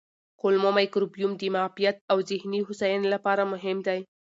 کولمو مایکروبیوم د معافیت او ذهني هوساینې لپاره مهم دی.